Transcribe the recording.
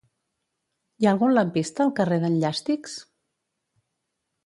Hi ha algun lampista al carrer d'en Llàstics?